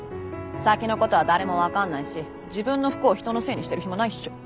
先の事は誰もわかんないし自分の不幸を人のせいにしてる暇ないっしょ。